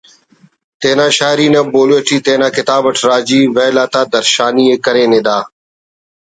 تینا شاعری نا بولی ٹی تینا کتاب اٹ راجی ویل آتا درشانی ءِ کرینے دا